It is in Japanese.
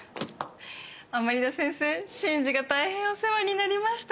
甘利田先生信二が大変お世話になりました。